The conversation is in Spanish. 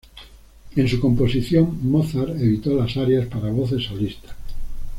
En su composición, Mozart evitó las arias para voces solistas.